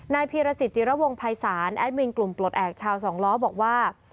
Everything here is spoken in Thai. พีรสิตจิระวงภัยศาลแอดมินกลุ่มปลดแอบชาวสองล้อบอกว่า